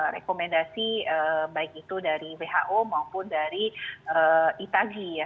rekomendasi baik itu dari who maupun dari itagi ya